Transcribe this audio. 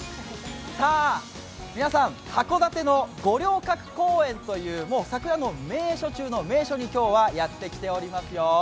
皆さん、箱館の五稜郭公園という、桜の名所中の名所に今日はやってきておりますよ。